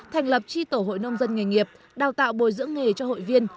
thành lập tri tổ hội nông dân nghề nghiệp đào tạo bồi dưỡng nghề cho hội viên